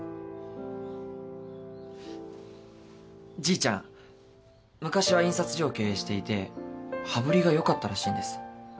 じいちゃん昔は印刷所を経営していて羽振りがよかったらしいんです。